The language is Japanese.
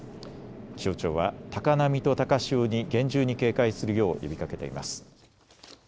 気象庁は高波と高潮に厳重に警戒するよう呼びかけています。